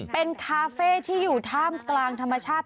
เป็นคาเฟ่ที่อยู่ท่ามกลางธรรมชาติ